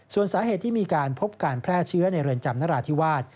ส่วนสาเหตุที่มีการพบการแพร่เชื้อในเรือนจำนราธิวาส